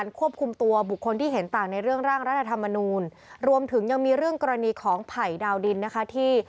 รวมถึงยังมีเรื่องกรณีของภัยดาวดินนะคะที่